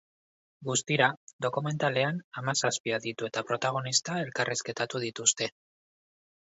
Guztira, dokumentalean hamazazpi aditu eta protagonista elkarrizketatu dituzte.